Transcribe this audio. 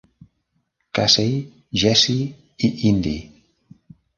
Casey, Jesse i Indi.